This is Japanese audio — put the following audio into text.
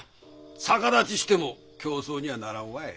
逆立ちしても競争にはならんわい。